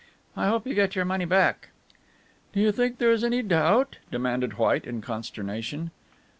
"I hope you get your money back." "Do you think there is any doubt?" demanded White, in consternation.